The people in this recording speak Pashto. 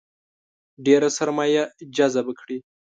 ډېره سرمایه جذبه کړي.